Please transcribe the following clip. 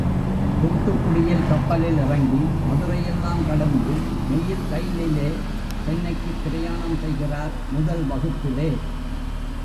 தூத்துக்குடியில் கப்பலில் இறங்கி மதுரை எல்லாம் கடந்து மெயில் ரயிலிலே சென்னைக்குப் பிரயாணம் செய்கிறார் முதல் வகுப்பிலே.